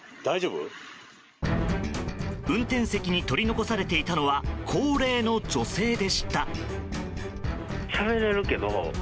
運転席に取り残されていたのは高齢の女性でした。